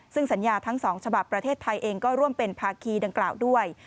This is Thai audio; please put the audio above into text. ซึ่งสัญญาทั้ง๒ฉบับประเทศไทยเองก็ร่วมเป็นภาคีดังกล่าวด้วย